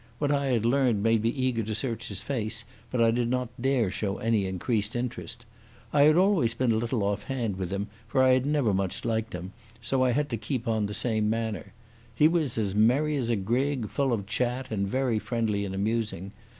What I had learned made me eager to search his face, but I did not dare show any increased interest. I had always been a little off hand with him, for I had never much liked him, so I had to keep on the same manner. He was as merry as a grig, full of chat and very friendly and amusing.